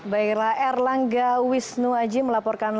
baiklah erlangga wisnu aji melaporkan